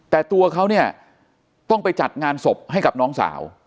แต่ตัวเขาเนี่ยต้องไปจัดงานศพให้กับน้องสาว